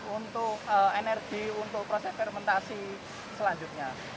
untuk energi untuk proses fermentasi selanjutnya